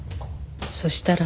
そしたら。